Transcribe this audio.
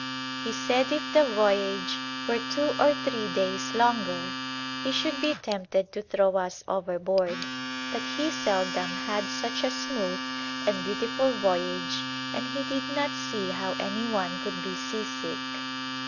He said if the voyage were two or three days longer he should be tempted to throw us overboard ; that he seldom had such a smooth and beautiful voyage and he did not see how any one could be seasick.